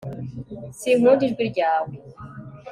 sinkunda ijwi ryawe